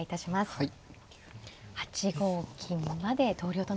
はい。